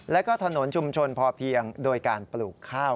แล้วก็ถนนชุมชนพอเพียงโดยการปลูกข้าว